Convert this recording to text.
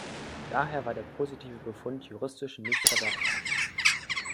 Daher war der positive Befund juristisch nicht verwertbar.